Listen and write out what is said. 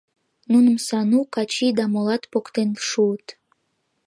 Нуным Сану, Качи да молат поктен шуыт.